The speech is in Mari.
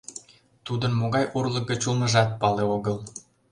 Тудын могай урлык гыч улмыжат пале огыл.